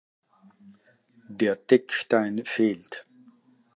Der Deckstein fehlt.